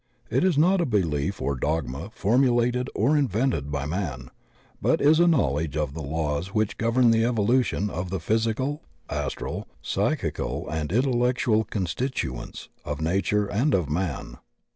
It is not a beUef or dogma formulated or invented by man, but is a knowledge of the laws which govern the evolution of the physical, astral, psychical, and inteUectual constituents of nature and of man.